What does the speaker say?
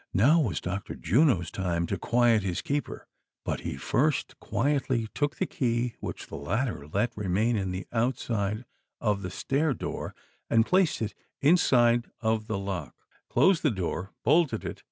Now was Dr. Juno's time to quiet his keeper ; but, he first quietly took the key which the latter let remain in the out side of the stair door, and placed it inside of the lock, closed the door, bolted it.